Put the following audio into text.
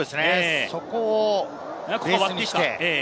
そこをベースにして。